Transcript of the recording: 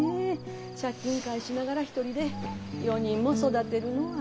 借金返しながら一人で４人も育てるのは。